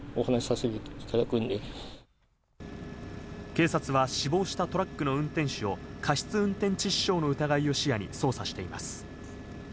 警察は死亡したトラックの運転手を過失運転致死傷の疑いを視野に捜査しています。